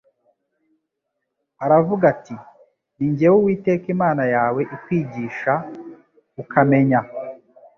aravuga ati ni jyewe uwiteka imana yawe ikwigisha ukamenya